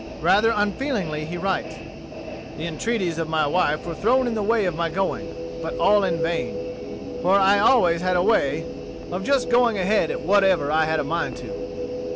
Rather unfeelingly he writes, "The entreaties of my wife were thrown in the way of my going, but all in vain; for I always had a way of just going ahead at whatever I had a mind to."